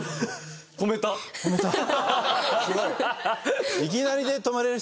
すごい。